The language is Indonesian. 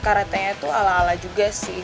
karate nya itu ala ala juga sih